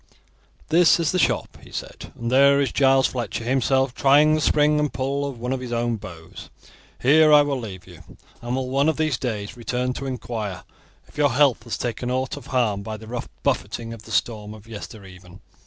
"This is the shop," he said, "and there is Giles Fletcher himself trying the spring and pull of one of his bows. Here I will leave you, and will one of these days return to inquire if your health has taken ought of harm by the rough buffeting of the storm of yester even."